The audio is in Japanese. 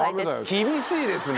厳しいですね。